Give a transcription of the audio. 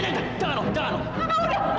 ya papa papa udah